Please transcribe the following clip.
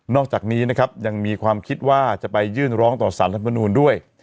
อกจากนี้นะครับยังมีความคิดว่าจะไปยื่นร้องต่อสารรัฐมนูลด้วย